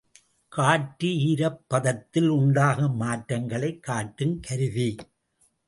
காற்று ஈரப்பதத்தில் உண்டாகும் மாற்றங்களைக் காட்டுங் கருவி.